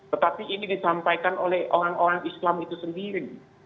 tetapi ini disampaikan oleh orang orang islam itu sendiri